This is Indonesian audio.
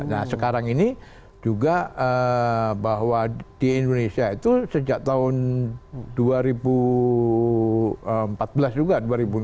nah sekarang ini juga bahwa di indonesia itu sejak tahun dua ribu empat belas juga dua ribu lima belas